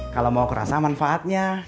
kalau mau kerasa manfaatnya